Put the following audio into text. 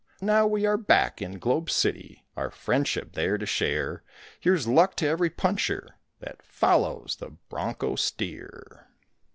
Now we are back in Globe City, our friendship there to share; Here's luck to every puncher that follows the bronco steer.